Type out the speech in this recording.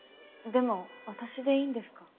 でも私でいいんですか？